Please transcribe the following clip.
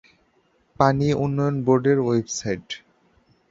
পানি উন্নয়ন বোর্ডের ওয়েবসাইট